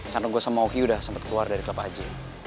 karena gue sama oki udah sempet keluar dari klub aja